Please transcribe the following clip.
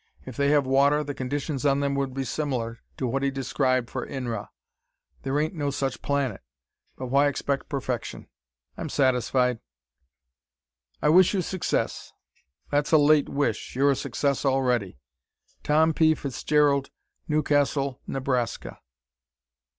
If they have water the conditions on them would be similar to what he described for Inra. There ain't no such planet. But why expect perfection! I'm satisfied. I wish you success. That's a late wish. You're a success already. Tom P. Fitzgerald, Newcastle, Nebraska.